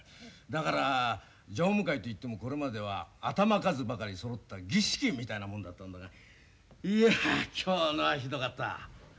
だから常務会といってもこれまでは頭数ばかりそろった儀式みたいなもんだったんだがいや今日のはひどかった。